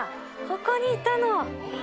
ここにいたの？